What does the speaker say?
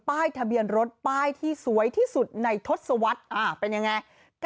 ทะเบียนรถป้ายที่สวยที่สุดในทศวรรษเป็นยังไง